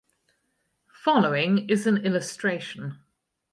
Following is an illustration.